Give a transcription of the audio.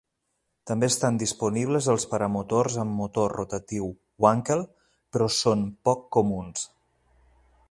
També estan disponibles els paramotors amb motor rotatiu Wankel, però són poc comuns.